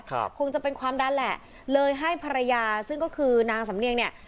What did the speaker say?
คงจะเป็นความดันแหละเลยให้ภรรยาซึ่งก็คือนางสำเนียงเนี่ย